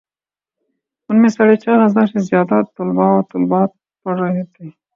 ان میں ساڑھے چار ہزار سے زیادہ طلبا و طالبات پڑھ رہے ہیں۔